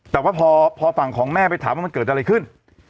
แต่ว่าพอฝั่งของแม่ไปถามว่ามันเกิดอะไรขึ้น